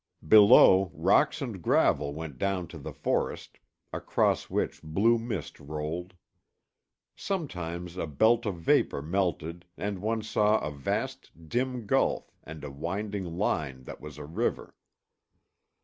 Below, rocks and gravel went down to the forest, across which blue mist rolled. Sometimes a belt of vapor melted and one saw a vast dim gulf and a winding line that was a river.